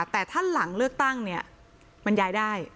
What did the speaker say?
แต่ถ้าหลังเลือกตั้งเนี่ยมันย้ายได้